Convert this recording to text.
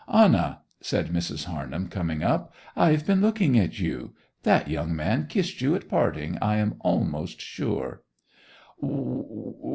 'Anna,' said Mrs. Harnham, coming up. 'I've been looking at you! That young man kissed you at parting I am almost sure.